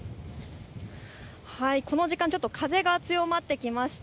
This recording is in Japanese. この時間、ちょっと風が強まってきました。